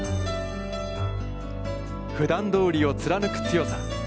ふだんどおりを貫く強さ。